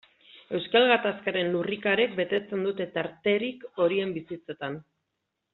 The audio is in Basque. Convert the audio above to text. Euskal Gatazkaren lurrikarek betetzen dute tarterik horien bizitzetan.